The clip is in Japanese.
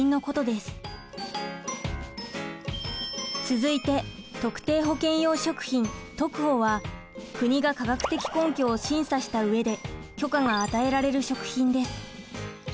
続いて特定保健用食品トクホは国が科学的根拠を審査した上で許可が与えられる食品です。